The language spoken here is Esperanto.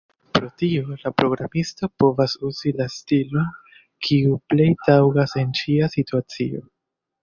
Pro tio, la programisto povas uzi la stilon, kiu plej taŭgas en ĉia situacio.